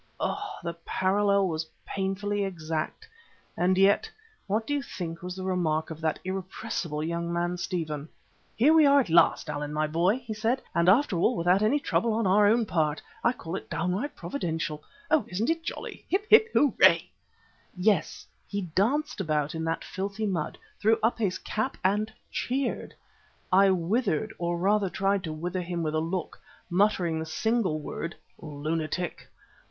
Oh! the parallel was painfully exact. And yet, what do you think was the remark of that irrepressible young man Stephen? "Here we are at last, Allan, my boy," he said, "and after all without any trouble on our own part. I call it downright providential. Oh! isn't it jolly! Hip, hip, hooray!" Yes, he danced about in that filthy mud, threw up his cap and cheered! I withered, or rather tried to wither him with a look, muttering the single word: "Lunatic."